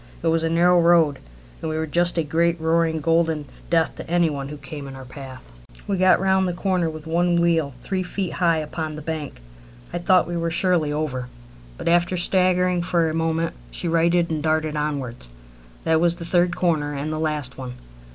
It was a narrow road, and we were just a great, roaring, golden death to any one who came in our path. We got round the corner with one wheel three feet high upon the bank. I thought we were surely over, but after staggering for a moment she righted and darted onwards. That was the third corner and the last one.